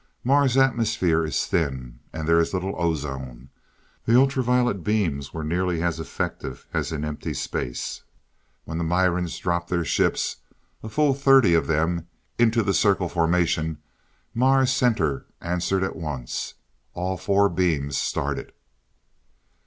Mars' atmosphere is thin, and there is little ozone. The ultra violet beams were nearly as effective as in empty space. When the Mirans dropped their ships, a full thirty of them, into the circle formation, Mars Center answered at once. All four beams started.